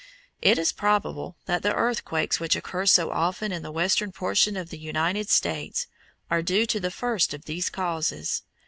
It is probable that the earthquakes which occur so often in the western portion of the United States are due to the first of these causes.